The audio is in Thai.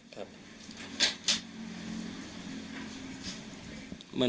ครับ